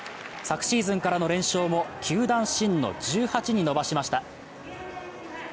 昨シーズンからの連勝も球団新の１８に伸ばしました。